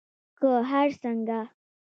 که هر څنګه